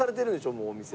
もうお店。